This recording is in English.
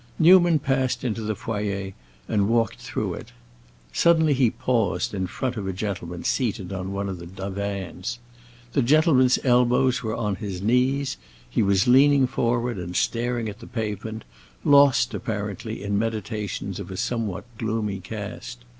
Newman passed into the foyer and walked through it. Suddenly he paused in front of a gentleman seated on one of the divans. The gentleman's elbows were on his knees; he was leaning forward and staring at the pavement, lost apparently in meditations of a somewhat gloomy cast.